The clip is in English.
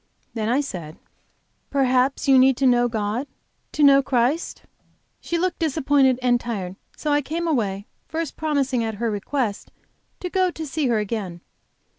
Then I said: "Perhaps you need to know God, to know Christ?" She looked disappointed and tired. So I came away, first promising, at her request, to go to see her again.